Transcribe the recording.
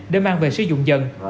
để mang về sử dụng dần